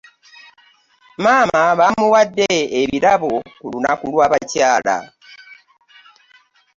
Maama twamuwade ebirabo ku lunnaku lw'abakyaala.